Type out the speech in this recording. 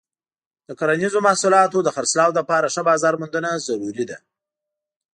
د کرنیزو محصولاتو د خرڅلاو لپاره ښه بازار موندنه ضروري ده.